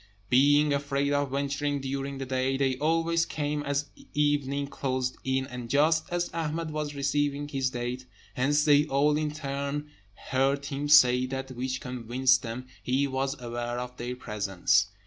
Being afraid of venturing during the day, they always came as evening closed in, and just as Ahmed was receiving his date, hence they all in turn heard him say that which convinced them he was aware of their presence.